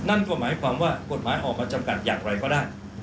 นั่นก็หมายความว่ากฎหมายออกมาจำกัดอย่างไรก็ได้